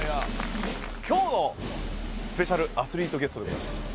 今日のスペシャルアスリートゲストでございます。